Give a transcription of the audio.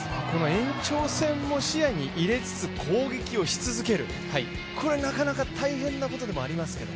延長戦も視野に入れつつ攻撃をし続ける、これなかなか大変なことでもありますけど。